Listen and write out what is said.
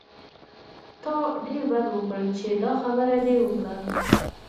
تا ډېر بد وکړل چې دا خبره دې وکړه.